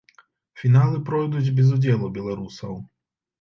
Фіналы пройдуць без удзелу беларусаў.